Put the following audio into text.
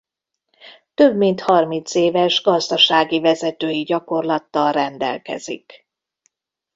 Több mint harmincéves gazdasági vezetői gyakorlattal rendelkezik.